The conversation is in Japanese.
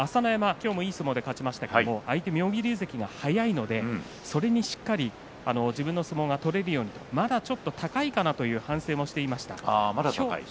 今日もいい相撲を取り勝ちましたが相手、妙義龍関が速いのでそれにしっかりと自分の相撲が取れるようにまだちょっと高いかなと反省もしていました。